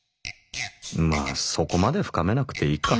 まあそこまで深めなくていいか。